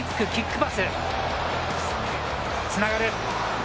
つながる。